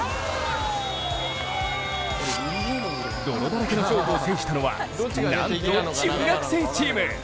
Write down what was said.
泥だらけの勝負を制したのはなんと中学生チーム！